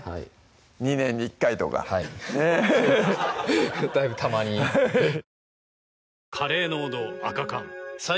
２年に１回とかはいだいぶたまにフフフッ